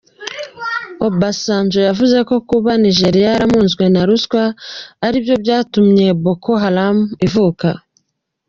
Obasanjo yavuze ko kuba Nigeria yaramuzwe na ruswa aribyo byatumye Boko Haram ivuka.